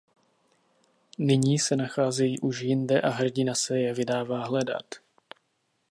Nyní se nacházejí už jinde a hrdina se je vydává hledat.